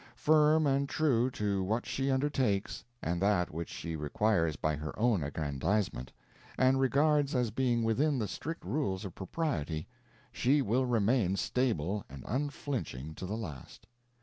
Firm and true to what she undertakes, and that which she requires by her own aggrandizement, and regards as being within the strict rules of propriety, she will remain stable and unflinching to the last.